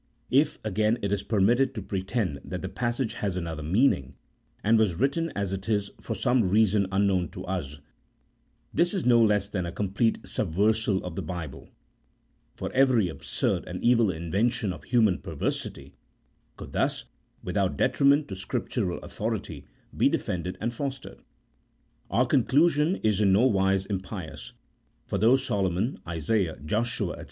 If, again, it is permitted to pretend that the passage has another meaning, and was written as it is from some reason unknown to us, this is no less than a complete subversal of the Bible ; for every absurd and evil invention of human perversity could thus, without detriment to Scriptural authority, be defended and fostered. Our conclusion is in no wise impious, for though Solomon, Isaiah, Joshua, &c.